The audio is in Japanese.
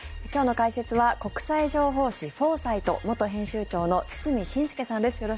今日の解説は国際情報誌「フォーサイト」元編集長の堤伸輔さんです。